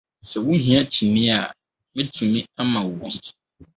Sɛ wuhia kyinii a, metumi ama wo bi.